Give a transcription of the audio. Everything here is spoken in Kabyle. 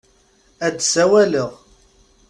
Ad d-sawaleɣ.